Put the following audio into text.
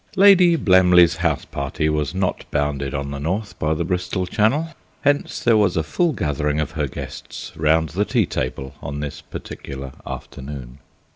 Lady Blemley's house party was not bounded on the north by the Bristol Channel, hence there was a full gathering of her guests round the tea table on this particular afternoon.